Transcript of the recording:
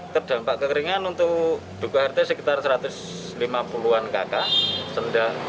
terdampak kekeringan untuk dukuh rt sekitar satu ratus lima puluh an kakak